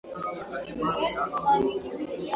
vitamin A ya viazi lishe ikipungua mwili hupata madhara